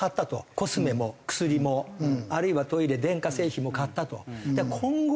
コスメも薬もあるいはトイレ電化製品も買ったと。